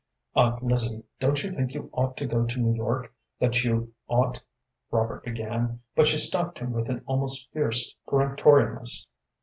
"Aunt Lizzie, don't you think you ought to go to New York, that you ought " Robert began, but she stopped him with an almost fierce peremptoriness.